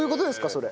それ。